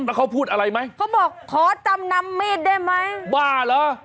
แล้วเขาพูดอะไรไหมเขาบอกขอจำนำมีดได้ไหมบ้าเหรอ